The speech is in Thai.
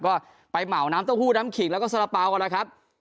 ก็ไปเหมาน้ำเต้าหู้น้ำขิงแล้วก็สาระเป๋ากันแล้วครับ